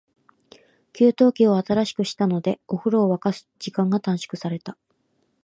給湯器を新しくしたので、お風呂を沸かす時間が短縮された。